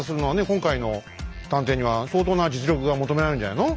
今回の探偵には相当な実力が求められるんじゃないの？